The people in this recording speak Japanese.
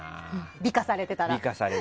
美化されてたら。